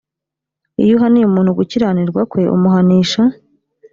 iyo uhaniye umuntu gukiranirwa kwe umuhanisha